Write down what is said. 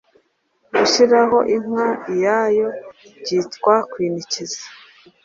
Gushyiraho inka iyayo byitwa Kwinikiza